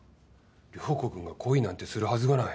涼子君が恋なんてするはずがない。